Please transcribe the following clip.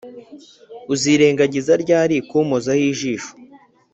uzirengagiza ryari kumpozaho ijisho,